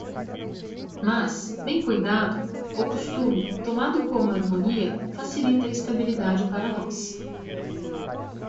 Mas, bem cuidado, o costume, tomado como harmonia, facilita a estabilidade para nós.